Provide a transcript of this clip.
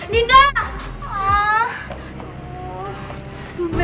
dinda marah banget nih sama kita